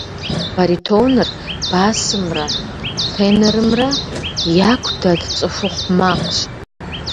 Баритоныр басымрэ тенорымрэ яку дэт цӏыхухъу макъщ.